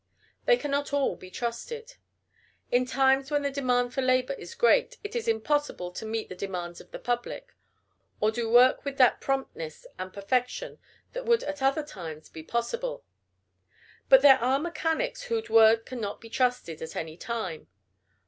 They cannot all be trusted. In times when the demand for labor is great, it is impossible to meet the demands of the public, or do work with that promptness and perfection that would at other times be possible. But there are mechanics whose word cannot be trusted at any time.